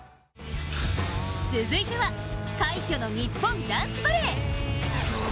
続いては快挙の日本男子バレー。